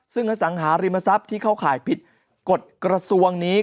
ซึ่งอสังหาริมทรัพย์ที่เข้าข่ายผิดกฎกระทรวงนี้